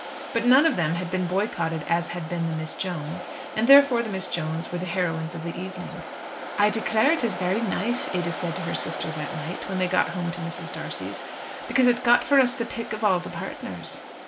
But none of them had been boycotted as had been the Miss Jones'; and therefore the Miss Jones' were the heroines of the evening. "I declare it is very nice," Ada said to her sister that night, when they got home to Mrs. D'Arcy's, "because it got for us the pick of all the partners."